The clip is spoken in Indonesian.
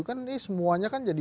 kan ini semuanya kan jadi